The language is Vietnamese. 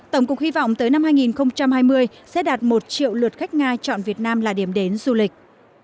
tổng cục hy vọng tới năm hai nghìn hai mươi sẽ đạt một triệu lượt khách nga chọn việt nam là điểm đến du lịch